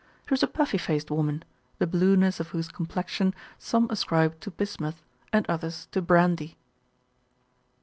She was a puffy faced woman, the blueness of whose complexion some ascribed to bismuth and others to brandy.